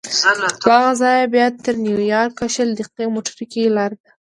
له هغه ځایه بیا تر نیویارکه شل دقیقې موټر کې لاره ده.